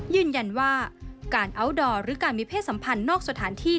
ยืนยันว่าการอัลดอร์หรือการมีเพศสัมพันธ์นอกสถานที่